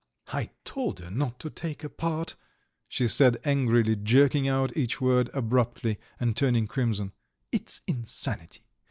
"I told her not to take a part," she said angrily, jerking out each word abruptly and turning crimson. "It's insanity!